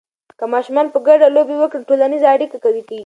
که ماشومان په ګډه لوبې وکړي، ټولنیزه اړیکه قوي کېږي.